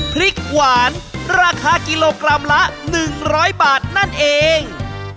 พริกหวานราคากิโลกรัมละ๑๐๐บาทนั่นเอง